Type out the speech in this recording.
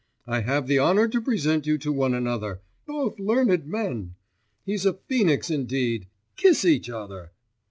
I have the honour to present you to one another. Both learned men! He's a phœnix indeed! Kiss each other!